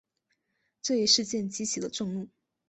这一事件激起了众怒。